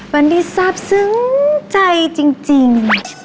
วันนี้ซับซึ้งใจจริง